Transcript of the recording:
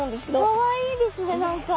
かわいいですね何か。